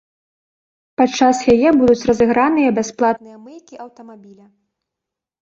Падчас яе будуць разыграныя бясплатныя мыйкі аўтамабіля.